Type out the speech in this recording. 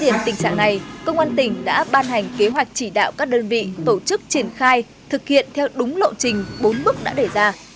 trước tình trạng này công an tỉnh đã ban hành kế hoạch chỉ đạo các đơn vị tổ chức triển khai thực hiện theo đúng lộ trình bốn bước đã đề ra